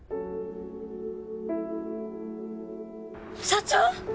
社長！？